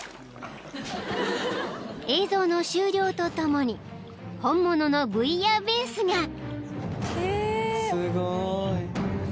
［映像の終了とともに本物のブイヤベースが］